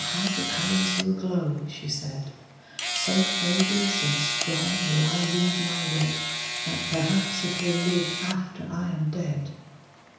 how the colors will glow! " she said ;" So fadeless and strong will I weave my web That perhaps it will live after I am dead."